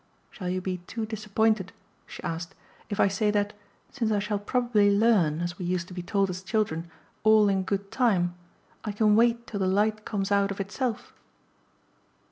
Shall you be too disappointed," she asked, "if I say that, since I shall probably learn, as we used to be told as children, 'all in good time,' I can wait till the light comes out of itself?"